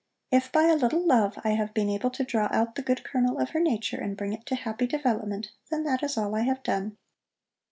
If by a little love I have been able to draw out the good kernel of her nature and bring it to happy development, then that is all I have done.